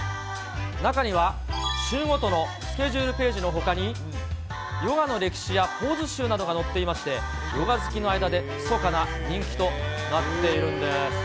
中には、週ごとのスケジュールページのほかに、ヨガの歴史やポーズ集などが載っていまして、ヨガ好きの間でひそかな人気となっているんです。